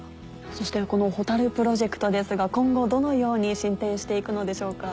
そしてこのホタルプロジェクトですが今後どのように進展して行くのでしょうか？